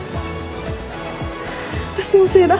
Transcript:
私のせいだ。